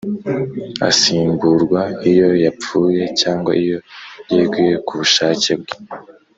asimburwa iyo yapfuye cyangwa iyo yeguye ku bushake bwe